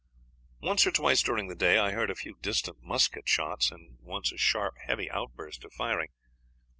"Once or twice during the day I heard a few distant musket shots, and once a sharp, heavy outburst of firing.